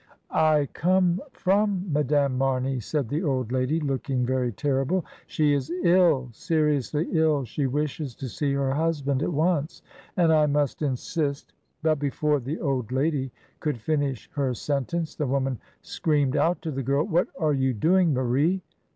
"I come from Madame Mamey," said the old lady looking very terrible. "She is ill, seriously ill. She wishes to see her husband at once, and I must insist " But before the old lady could finish her sentence the woman screamed out to the girl, "What are you doing, Marie?